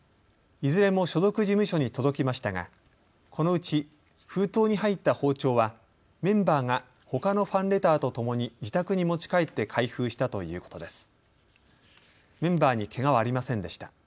いずれも所属事務所に届きましたがこのうち封筒に入った包丁はメンバーがほかのファンレターとともに自宅に持ち帰って開封したということです。